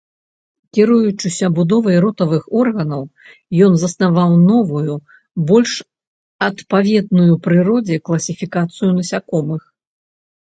Кіруючыся будовай ротавых органаў, ён заснаваў новую, больш адпаведную прыродзе, класіфікацыю насякомых.